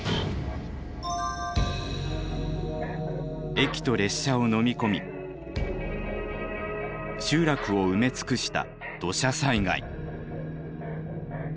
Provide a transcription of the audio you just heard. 駅と列車をのみ込み集落を埋め尽くした土砂災害。